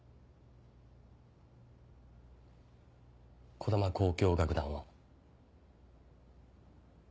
児玉交響楽団は。